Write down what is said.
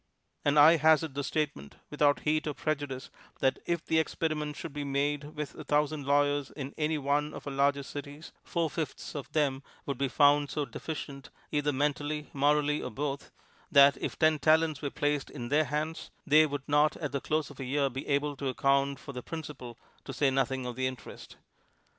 And I hazard the statement, without heat or prejudice, that if the experiment should be made with a thousand lawyers in any one of our larger cities, four fifths of them would be found so deficient, either mentally, morally or both, that if ten talents were placed in their hands, they would not at the close of a year be able to account for the principal, to say nothing of the interest.